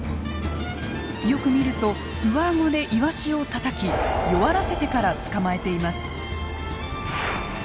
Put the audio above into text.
よく見ると上顎でイワシをたたき弱らせてから捕まえています。